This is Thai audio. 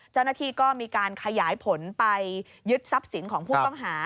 เจ้าหน้าที่ก็มีการขยายผลไปยึดทรัพย์สินของผู้ต้องหา